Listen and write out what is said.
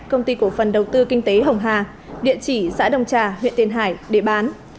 công ty cổ phần đầu tư kinh tế hồng hà địa chỉ xã đông trà huyện tiền hải để bán